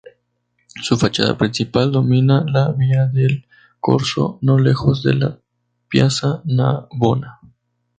Su fachada principal domina la Via del Corso no lejos de la Piazza Navona.